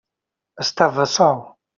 Estava sol.